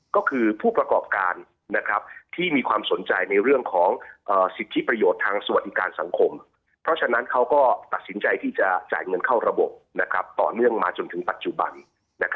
ก็คือผู้ประกอบการที่มีความสนใจในเรื่องของสิทธิประโยชน์ทางสวัสดิการสังคมเพราะฉะนั้นเขาก็ตัดสินใจที่จะจ่ายเงินเข้าระบบต่อเนื่องมาจนถึงปัจจุบัน